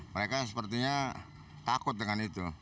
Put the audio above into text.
mereka sepertinya takut dengan itu